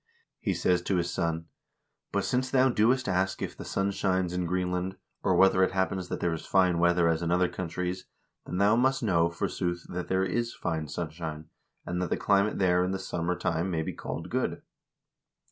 He says to his son :" But since thou doest ask if the sun shines in Greenland, or whether it happens that there is fine weather as in other countries, then thou must know, forsooth, that there is fine sunshine, and that the climate there in the summer time may be called good.